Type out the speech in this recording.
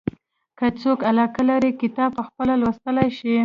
که څوک علاقه لري کتاب پخپله لوستلای شي.